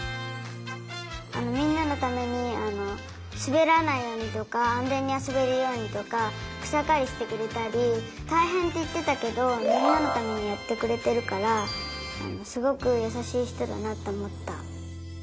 みんなのためにすべらないようにとかあんぜんにあそべるようにとかくさかりしてくれたりたいへんっていってたけどみんなのためにやってくれてるからすごくやさしいひとだなとおもった。